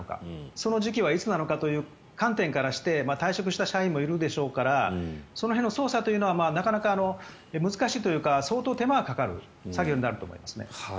その時期はいつなのかという観点からして退職した人間もいるでしょうからその辺の捜査というのはなかなか難しいというか相当、手間がかかる作業になると思います。